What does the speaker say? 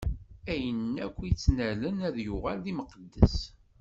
Ayen akk ara tt-innalen ad yuɣal d imqeddes.